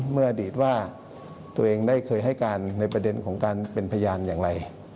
เมื่ออดีตว่าตัวเองได้เคยให้การในประเด็นของการเป็นพยานอย่างไร